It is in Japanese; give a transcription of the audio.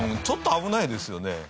ちょっと危ないですよね。